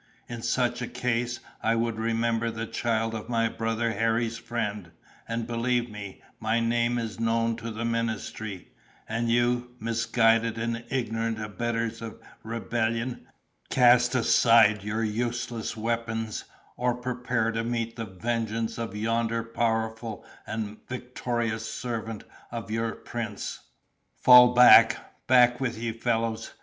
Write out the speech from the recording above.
In such a case I would remember the child of my brother Harry's friend; and believe me, my name is known to the ministry. And you, misguided and ignorant abettors of rebellion! cast aside your useless weapons, or prepare to meet the vengeance of yonder powerful and victorious servant of your prince." "Fall back! back with ye, fellows!"